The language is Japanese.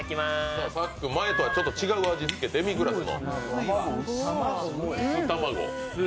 さっくん、前とは違う味付け、デミグラスの。